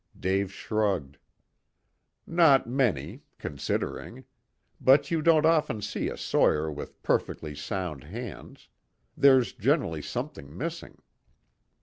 Dave shrugged. "Not many considering. But you don't often see a sawyer with perfectly sound hands. There's generally something missing."